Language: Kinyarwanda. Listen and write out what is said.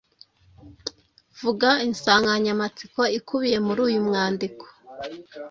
Vuga insanganyamatsiko ikubiye muri uyu mwandiko